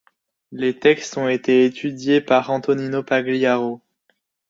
Les textes ont été étudiés par Antonino Pagliaro.